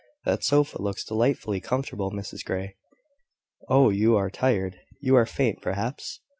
That sofa looks delightfully comfortable, Mrs Grey." "Oh, you are tired; you are faint, perhaps?"